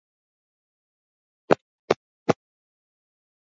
sio uhuru wa bandia bali ulikuwa ule kamili